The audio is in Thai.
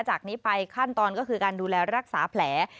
จากนี้ไปขั้นตอนก็คือการดูแลรักษาแผล